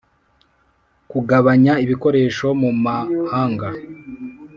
kugabanya ibikorerwa mu mahanga